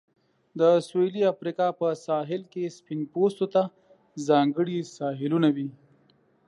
د سویلي افریقا په ساحل کې سپین پوستو ته ځانګړي ساحلونه وې.